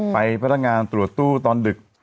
ไปพัฒนางานตรวจตู้ตอนดึก